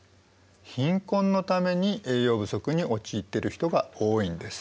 貧困のために栄養不足に陥っている人が多いんです。